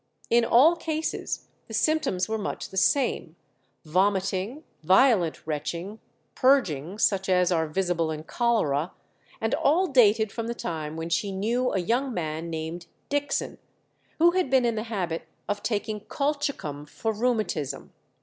In all cases the symptoms were much the same, vomiting, violent retching, purging, such as are visible in cholera, and all dated from the time when she knew a young man named Dixon, who had been in the habit of taking colchicum for rheumatism.